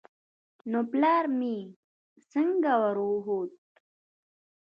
نو پلار مې څنگه وروخوت.